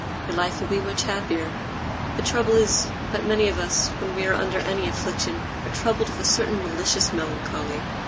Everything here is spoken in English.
Your life will be much happier. The trouble is, that many of us, when we are under any affliction, are troubled with a certain malicious melancholy.